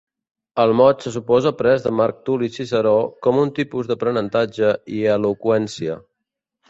El mot se suposa pres de Marc Tuli Ciceró, com un tipus d'aprenentatge i eloqüència.